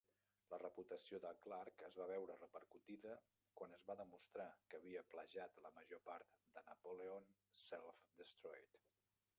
La reputació de Clark es va veure repercutida quan es va demostrar que havia plagiat la major part de "Napoleon Self-Destroyed".